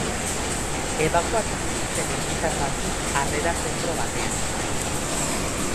Ebakuatu dituzten herritar batzuk, harrera zentro batean.